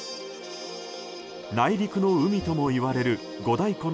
内陸の海ともいわれる五大湖の